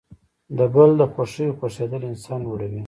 د بل د خوښۍ خوښیدل انسان لوړوي.